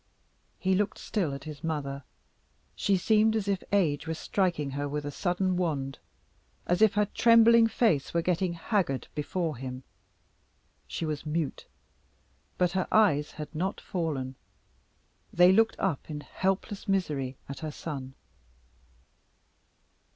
He looked still at his mother. She seemed as if age were striking her with a sudden wand as if her trembling face were getting haggard before him. She was mute. But her eyes had not fallen; they looked up in helpless misery at her son.